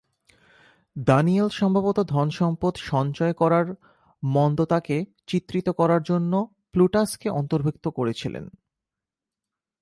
Danijel সম্ভবত ধনসম্পদ সঞ্চয় করার মন্দতাকে চিত্রিত করার জন্য প্লুটাসকে অন্তর্ভুক্ত করেছিলেন।